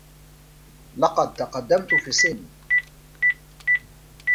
لقد تقدّمت في السّنّ.